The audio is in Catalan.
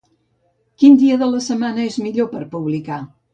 Quin dia de la setmana és millor per publicar?